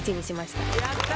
やった！